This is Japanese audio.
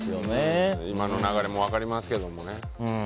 今の流れも分かりますけどもね。